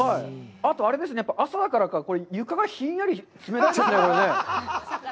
あとあれですね、朝だからか、床がひんやり冷たいですね。